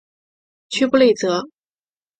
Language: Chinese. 屈布内泽。